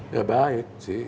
ya baik sih